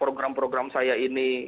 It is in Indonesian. program program saya ini